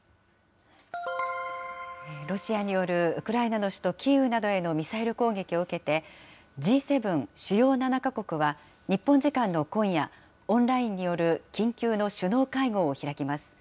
ロシアによるウクライナの首都キーウなどへのミサイル攻撃を受けて、Ｇ７・主要７か国は日本時間の今夜、オンラインによる緊急の首脳会合を開きます。